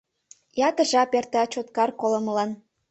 Ятыр жап эрта Чоткар колымылан.